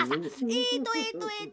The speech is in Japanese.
えっとえっとえっと。